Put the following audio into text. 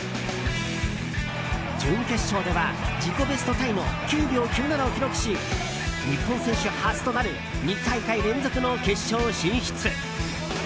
準決勝では自己ベストタイの９秒９７を記録し日本選手初となる２大会連続の決勝進出。